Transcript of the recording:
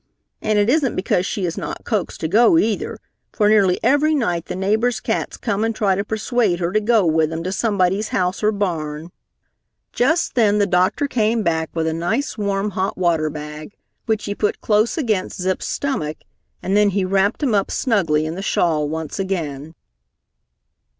And it isn't because she is not coaxed to go, either, for nearly every night the neighbors' cats come and try to persuade her to go with them to somebody's house or barn." Just then the doctor came back with a nice warm hot water bag, which he put close against Zip's stomach, and then he wrapped him up snugly in the shawl once again.